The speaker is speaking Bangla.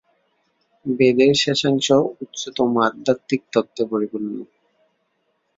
বেদের শেষাংশ উচ্চতম আধ্যাত্মিক তত্ত্বে পরিপূর্ণ।